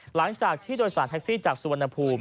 หลังจากที่โดยสารแท็กซี่จากสุวรรณภูมิ